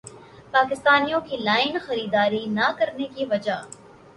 پاکستانیوں کی لائن خریداری نہ کرنے کی وجوہات